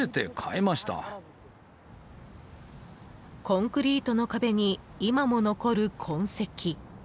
コンクリートの壁に今も残る痕跡。